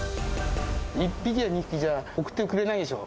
１匹や２匹じゃ送ってくれないでしょう。